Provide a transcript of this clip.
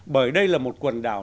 bởi đây là một quần đảo